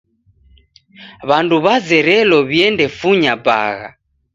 W'andu w'azerelo w'iendefunya bagha.